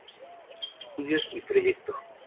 Estudios y proyecto.